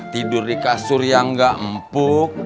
tidur di kasur yang gak empuk